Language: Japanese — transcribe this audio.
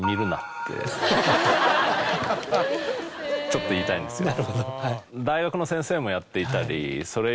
ちょっと言いたいんですよ。